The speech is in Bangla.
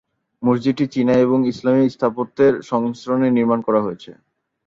মসজিদটি চীনা এবং ইসলামী স্থাপত্যের সংমিশ্রণে নির্মাণ করা হয়েছে।